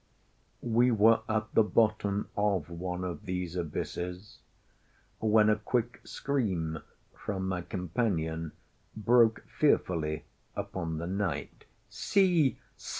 We were at the bottom of one of these abysses, when a quick scream from my companion broke fearfully upon the night. "See!